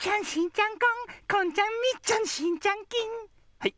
はい。